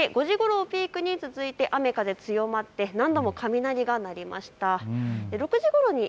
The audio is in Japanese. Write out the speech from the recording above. そして、５時ごろをピークに雨風強まって何度も雷が鳴りました。